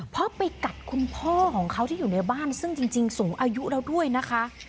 เพราะไปกัดคุณพ่อของเขาที่อยู่ในบ้านซึ่งจริงสูงอายุแล้วด้วยนะคะ